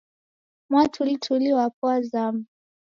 Mwatulituli wapo wazama